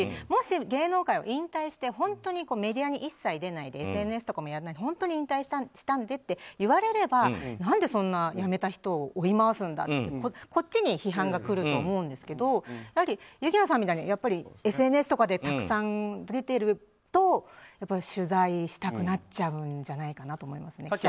もし芸能界を引退して本当にメディアに一切出ないでＳＮＳとかもやらないで本当に引退したんでって言われれば何で、そんなやめた人を追い回すんだとこっちに批判が来ると思うんですけど優樹菜さんみたいにＳＮＳとかでたくさん出てると取材したくなっちゃうんじゃないかなと思いますね。